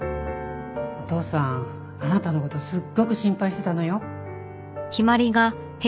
お父さんあなたの事すっごく心配してたのよ。